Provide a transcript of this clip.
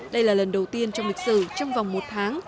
đây là lần đầu tiên trong lịch sử trong vòng một tháng